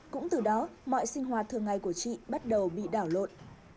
cũng từ đó mọi sinh hoạt thường ngày của chị bắt đầu bị đảo lộn